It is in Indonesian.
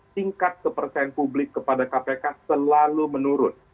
tingkat kepercayaan publik kepada kpk selalu menurun